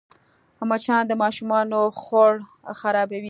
مچان د ماشومانو خوړ خرابوي